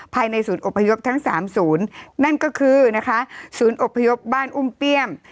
ภายในศูนย์อบพยพทั้งสามศูนย์นั่นก็คือนะคะศูนย์อบพยพบ้านอุ้มเปี้ยม